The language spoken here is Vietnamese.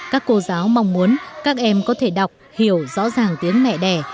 các cô giáo mong muốn các em có thể đọc hiểu rõ ràng tiếng mẹ đẻ